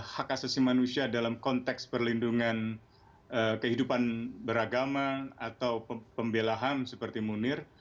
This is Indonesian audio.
hak asasi manusia dalam konteks perlindungan kehidupan beragama atau pembelahan seperti munir